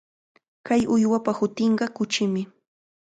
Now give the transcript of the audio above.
Kay uywapa hutinqa kuchimi.